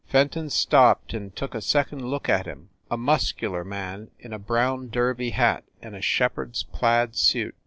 Fenton stopped and took a second look at him a muscular man in a brown derby hat, and a shepherd s plaid suit.